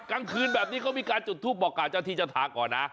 กลางคืนแบบนี้เขามีการจุดทูปบอกกล่าวเจ้าที่เจ้าทางก่อนนะ